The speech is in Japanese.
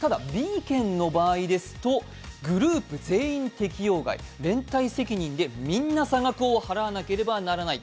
ただＢ県の場合ですとグループ全員適用外、連帯責任でみんな差額を払わなければならない。